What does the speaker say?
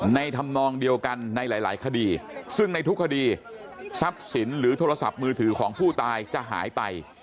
ธรรมนองเดียวกันในหลายคดีซึ่งในทุกคดีทรัพย์สินหรือโทรศัพท์มือถือของผู้ตายจะหายไป